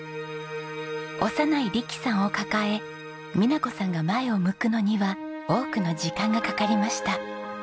幼い力さんを抱え美奈子さんが前を向くのには多くの時間がかかりました。